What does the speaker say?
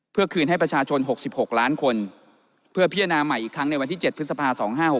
เพื่อคืนให้ประชาชน๖๖ล้านคนเพื่อพิจารณาใหม่อีกครั้งในวันที่๗พฤษภา๒๕๖๖